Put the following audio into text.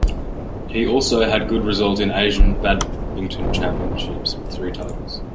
He also had good result in Asian Badminton Championships, with three titles.